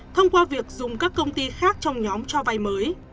thông qua việc dùng các công ty khác trong nhóm cho vay mới